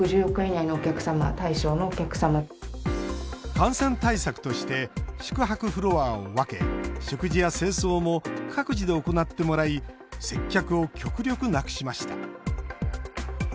感染対策として宿泊フロアを分け食事や清掃も各自で行ってもらい接客を極力なくしました。